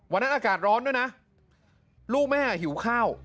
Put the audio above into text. อากาศร้อนด้วยนะลูกแม่หิวข้าว